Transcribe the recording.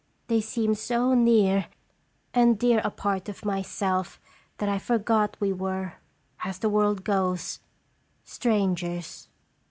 They seemed so near and dear a part of myself, that I forgot we were, as the world goes, strangers.